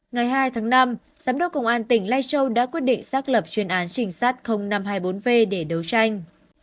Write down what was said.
ngày hai tháng năm giám đốc công an tỉnh lai châu đã quyết định xác lập chuyên án trình sát năm trăm hai mươi bốn v để đấu tranh